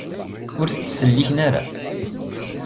Ur tt-ttselliken ara.